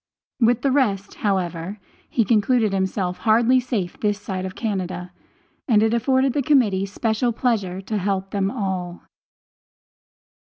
With the rest, however, he concluded himself hardly safe this side of Canada, and it afforded the Committee special pleasure to help them all.